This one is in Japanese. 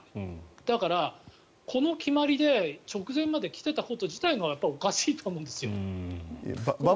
だから、この決まりで直前まで来ていたこと自体がおかしいと思うんですよ。